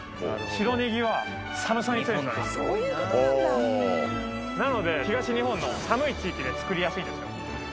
白ねぎは寒さに強いんですなので東日本の寒い地域で作りやすいんですよ